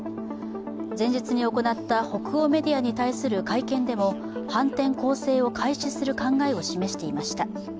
前日に行った北欧メディアに対する会見でも反転攻勢を開始する考えを示していました。